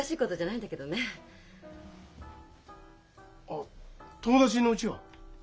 あっ友達のうちは？